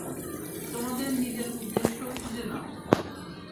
তোমাদের নিজের উদ্দেশ্য খুঁজে নাও।